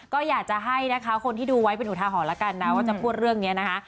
ก็อยากจะให้คนที่ดูไว้เป็นหูทาหอละกันนะว่าจะพูดเรื่องนี้นะคะ